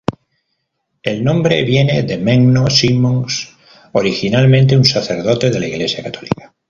El nombre viene de Menno Simons, originalmente un sacerdote de la Iglesia católica.